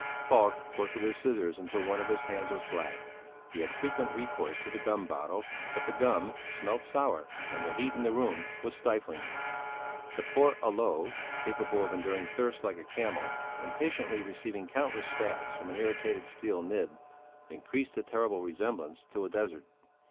Falk worked with his scissors until one of his hands was black. He had frequent recourse to the gum bottle, but the gum smelt sour and the heat in the room was stifling. The poor aloe, capable of enduring thirst like a camel, and patiently receiving countless stabs from an irritated steel nib, increased the terrible resemblance to a desert.